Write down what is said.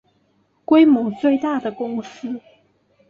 规模最大的公司